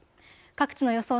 各地の予想